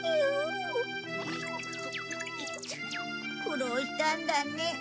苦労したんだね。